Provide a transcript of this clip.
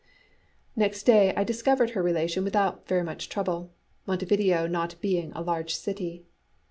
Next day I discovered her relation without very much trouble, Montevideo not being a large city.